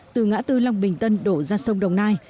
từ ngã tư long bình tân đổ ra sông đồng nai